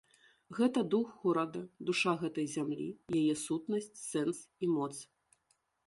Гэта дух горада, душа гэтай зямлі, яе сутнасць, сэнс і моц.